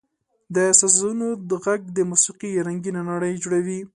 • د سازونو ږغ د موسیقۍ رنګینه نړۍ جوړوي.